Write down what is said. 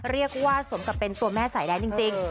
เรียกว่าสมกับเป็นตัวแม่สายแดนจริง